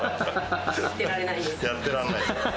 やってられないね。